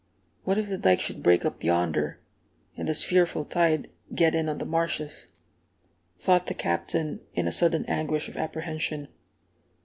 "What if the dike should break up yonder, and this fearful tide get in on the marshes?" thought the Captain, in a sudden anguish of apprehension.